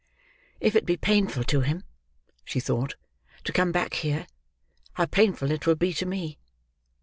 "If it be painful to him," she thought, "to come back here, how painful it will be to me!